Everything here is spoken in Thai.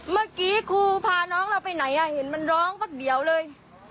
พาไปโรงเรียนเข้าโรงเรียน